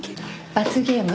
罰ゲーム？